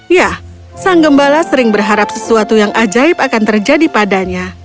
ya sang gembala sering berharap sesuatu yang ajaib akan terjadi padanya